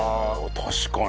確かに。